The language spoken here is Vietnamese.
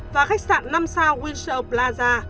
và khách sạn năm sao windsor plaza